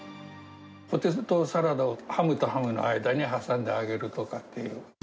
ポテトサラダをハムとハムの間に挟んで揚げるとかっていう。